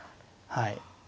はい。